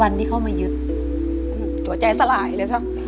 วันที่เขามายึดตัวใจสลายเลยครับ